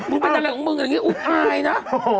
มึงเป็นอะไรของมึงแบบนี้อุ๊ยอายนะ